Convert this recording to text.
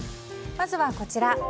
まずは、こちら。